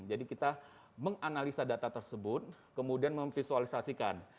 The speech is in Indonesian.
jadi kita menganalisa data tersebut kemudian memvisualisasikan